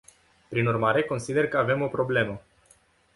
Prin urmare, consider că avem o problemă.